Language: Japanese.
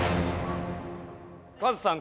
カズさん